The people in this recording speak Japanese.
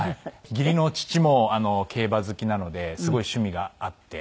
義理の父も競馬好きなのですごい趣味が合って。